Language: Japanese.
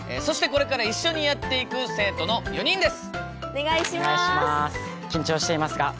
そしてこれから一緒にやっていく生徒の４人です！